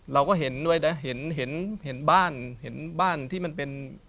เราก็เห็นด้วยนะเห็นเห็นบ้านเห็นบ้านที่มันเป็น